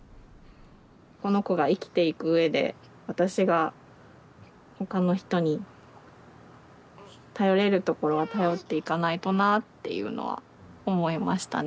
この子が生きていくうえで私が他の人に頼れるところは頼っていかないとなっていうのは思いましたね。